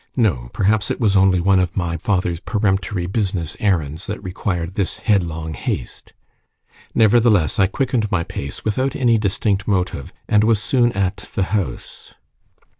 No; perhaps it was only one of my father's peremptory business errands that required this headlong haste. Nevertheless I quickened my pace without any distinct motive, and was soon at the house.